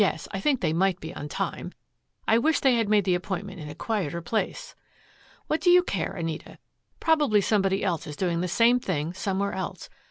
I think they might be on time. I wish they had made the appointment in a quieter place." "What do you care, Anita? Probably somebody else is doing the same thing somewhere else.